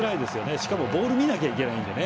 しかもボールを見なきゃいけないのでね。